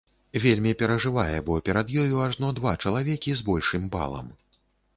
Вельмі перажывае, бо перад ёю ажно два чалавекі з большым балам!